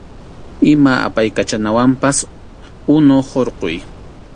Ima apaykachanawanpas unu hurquy.